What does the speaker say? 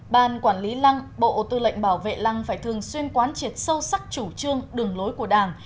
ban quản lý lăng bộ tư lệnh bảo vệ lăng phải thường xuyên quán triệt sâu sắc chủ trương đường lối của đảng